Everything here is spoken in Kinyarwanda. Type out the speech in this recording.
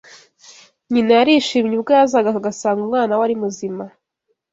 Nyina yarishimye ubwo yazaga agasanga umwana we ari muzima